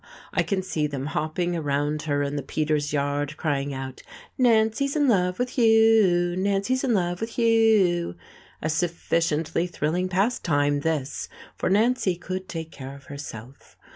I can see them hopping around her in the Peters yard crying out: "Nancy's in love with Hugh! Nancy's in love with Hugh!" A sufficiently thrilling pastime, this, for Nancy could take care of herself.